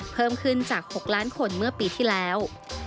เพิ่มขึ้นจาก๖ล้านคนเมื่อปีที่แล้ว